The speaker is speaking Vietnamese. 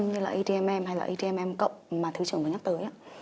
như là admm hay là admm cộng mà thứ trưởng vừa nhắc tới